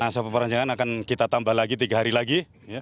masa perpanjangan akan kita tambah lagi tiga hari lagi